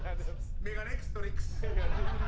メガネックストレックス。